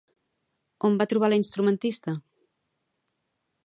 On va trobar la instrumentista?